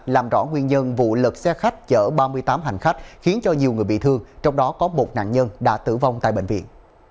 làm rõ nguyên nhân vụ lật xe khách chở ba mươi tám hành khách khiến cho nhiều người bị thương trong đó có một nạn nhân đã tử vong tại bệnh viện